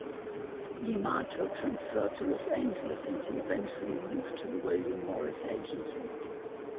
Limato transferred to Los Angeles, and he eventually moved to the William Morris Agency.